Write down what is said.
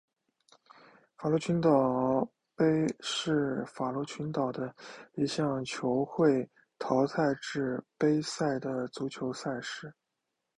法罗群岛杯是法罗群岛的一项球会淘汰制杯赛的足球赛事。